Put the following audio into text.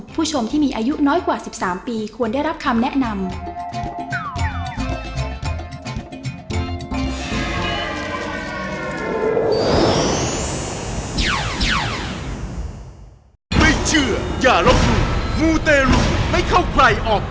ผู้ชมที่มีอายุน้อยกว่า๑๓ปีควรได้รับคำแนะนำ